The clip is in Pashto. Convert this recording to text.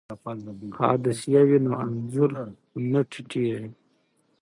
که عدسیه وي نو انځور نه تتېږي.